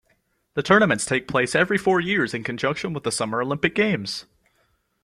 The tournaments take place every four years, in conjunction with the Summer Olympic Games.